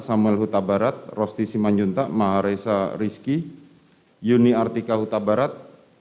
samuel huta barat rosti simanjuntak maharesa rizki yuni artika huta barat